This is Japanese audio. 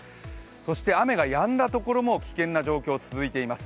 そして雨がやんだところも危険な状況続いています。